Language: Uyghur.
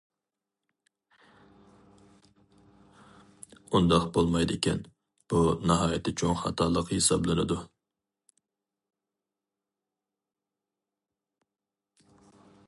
ئۇنداق بولمايدىكەن، بۇ ناھايىتى چوڭ خاتالىق ھېسابلىنىدۇ.